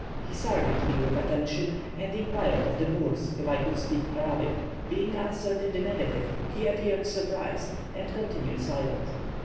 He surveyed me with attention, and inquired of the Moors if I could speak Arabic. Being answered in the negative, he appeared surprised, and continued silent.